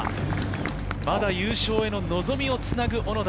まだ優勝への望みをつなぐ小野田。